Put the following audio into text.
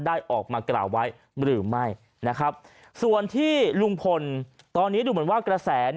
ได้ออกมากล่าวไว้หรือไม่นะครับส่วนที่ลุงพลตอนนี้ดูเหมือนว่ากระแส